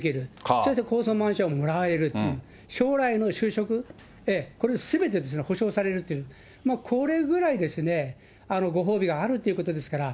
そして高層マンションもらえるという、将来の就職、これ、すべて保証されるという、もうこれぐらいですね、ご褒美があるということですから。